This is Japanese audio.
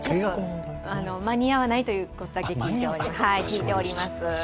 間に合わないということだけ聞いております。